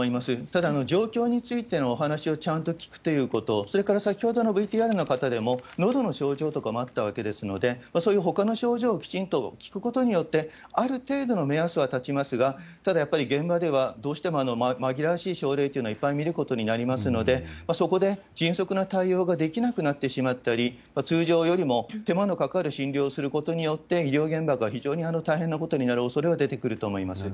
ただ、状況についてのお話をちゃんと聞くということ、それから先ほどのＶＴＲの方でも、のどの症状とかもあったわけですので、そういうほかの症状をきちんと聞くことによって、ある程度の目安は立ちますが、ただやっぱり現場では、どうしてもまぎらわしい症例っていうのはいっぱい診ることになりますので、そこで迅速な対応ができなくなってしまったり、通常よりも手間のかかる診療をすることによって、医療現場が非常に大変なことになるおそれは出てくると思います。